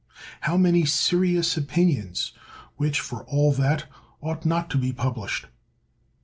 How many serious opinions, which, for all that, ought not to be published!